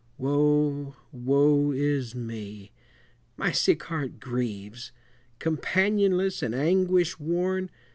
Woe, woe is me! my sick heart grieves, Companionless and anguish worn!